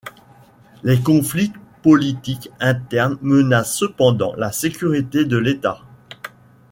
Les conflits politiques internes menacent cependant la sécurité de l'État.